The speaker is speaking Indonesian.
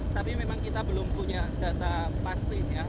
tapi memang kita belum punya data pastinya